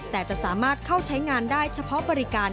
แต่จะสามารถเข้าใช้งานได้เฉพาะบริการ